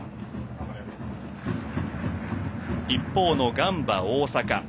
一方のガンバ大阪